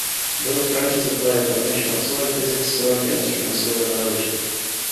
Both branches apply a combination of soil physics, soil chemistry, and soil biology.